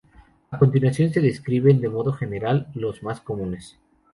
A continuación se describen de modo general los más comunes.